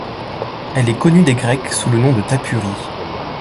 Elle est connue des Grecs sous le nom de Tapurie.